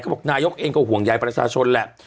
บอกนายกเองก็ห่วงใยประชาชนแหละ